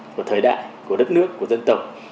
của thời đại của đất nước của dân tộc